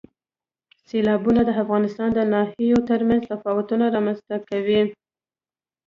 سیلابونه د افغانستان د ناحیو ترمنځ تفاوتونه رامنځ ته کوي.